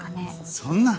そんな。